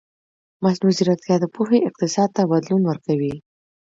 مصنوعي ځیرکتیا د پوهې اقتصاد ته بدلون ورکوي.